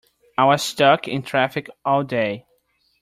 I was stuck in traffic all day!